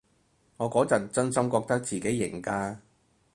我嗰陣真心覺得自己型㗎